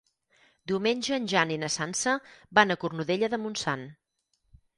Diumenge en Jan i na Sança van a Cornudella de Montsant.